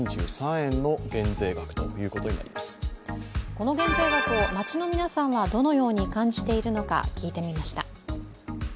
この現税額を街の皆さんはどのように感じているのか聞いてみました。